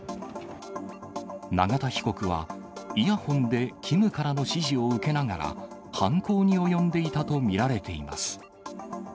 永田被告は、イヤホンでキムからの指示を受けながら、犯行に及んでいたと見られています。